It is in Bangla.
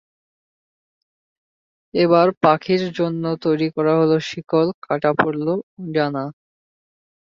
এবার পাখির জন্য তৈরি হলো শিকল, কাটা পড়ল ডানা।